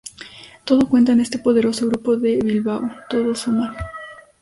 Todo cuenta en este poderoso grupo de Bilbao, todo suma.